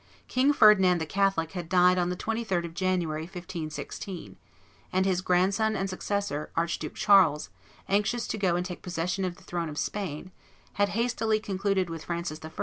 King Ferdinand the Catholic had died on the 23d of January, 1516; and his grandson and successor, Archduke Charles, anxious to go and take possession of the throne of Spain, had hastily concluded with Francis I.